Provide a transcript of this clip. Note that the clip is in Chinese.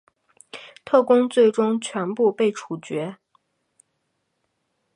特工最终全部被处决。